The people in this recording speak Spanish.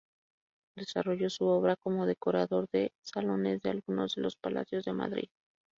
Desarrolló su obra como decorador de salones de algunos de los palacios de Madrid.